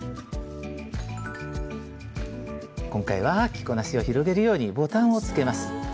今回は着こなしを広げるようにボタンをつけます。